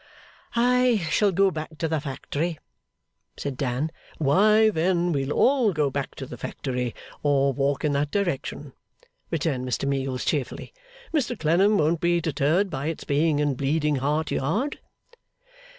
'I shall go back to the factory,' said Dan. 'Why then, we'll all go back to the factory, or walk in that direction,' returned Mr Meagles cheerfully. 'Mr Clennam won't be deterred by its being in Bleeding Heart Yard.